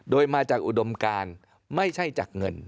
โดยมาจากอุดมการไม่ใช่จากเงิน